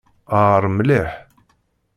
Ɣer mliḥ.